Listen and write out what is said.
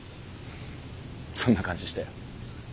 そんな感じしたよ。